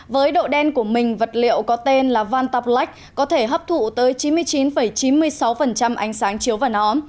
với độ đen của mình vật liệu có tên là vantaplax có thể hấp thụ tới chín mươi chín chín mươi sáu ánh sáng chiếu và nó